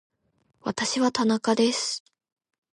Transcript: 私は田中です